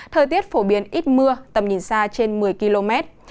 thời tiết phổ biến ít mưa tầm nhìn xa trên một mươi km